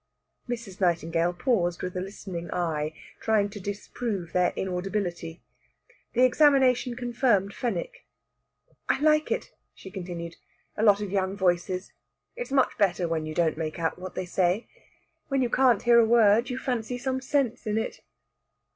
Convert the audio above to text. Mrs. Nightingale paused with a listening eye, trying to disprove their inaudibility. The examination confirmed Fenwick. "I like it," she continued "a lot of young voices. It's much better when you don't make out what they say. When you can't hear a word, you fancy some sense in it."